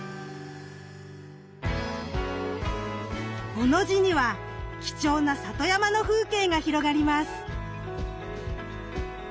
小野路には貴重な里山の風景が広がります。